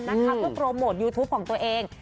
แล้วก็โปรโมทยูทูปของตัวเอง